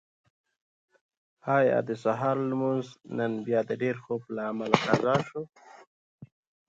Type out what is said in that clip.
ایا د سهار لمونځ نن بیا د ډېر خوب له امله قضا شو؟